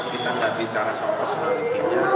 kita gak bicara soal personalitasnya